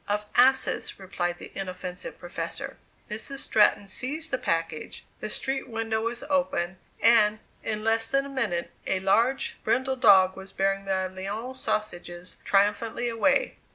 "Of asses," replied the inoffensive professor. Mrs. Stratton seized the package, the street window was open, and, in less than a minute, a large brindle dog was bearing the "Lyons sausages" triumphantly away.